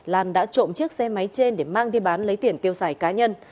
lan đã trộm chiếc xe máy trên để mang đi bán lấy tiền tiêu xài cá nhân